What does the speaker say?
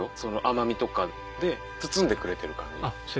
甘みとかで包んでくれてる感じ。